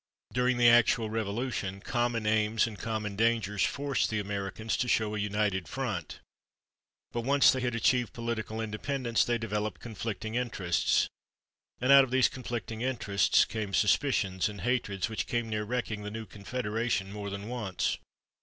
During the actual Revolution common aims and common dangers forced the Americans to show a united front, but once they had achieved political independence they developed conflicting interests, and out of those conflicting interests came suspicions and hatreds which came near wrecking the new confederation more than once.